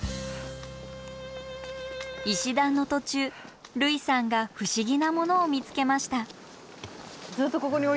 石段の途中類さんが不思議なものを見つけました。